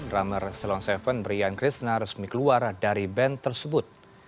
drummer ceylon tujuh brian krisna resmi keluar dari band tersebut